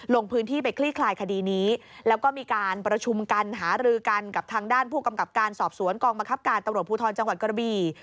ลงพื้นที่ไปคลี่คลายคดีนี้แล้วก็มีการประชุมกันหารือกันกับทางด้านผู้กำกับการสอบสวนกองบังคับการตำรวจภูทรจังหวัดกระบี่